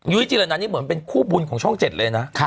จิลนันนี่เหมือนเป็นคู่บุญของช่อง๗เลยนะ